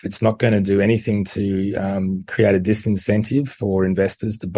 itu tidak akan melakukan apa apa untuk menciptakan kelebihan